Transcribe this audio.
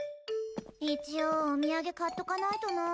一応お土産買っとかないとなあ。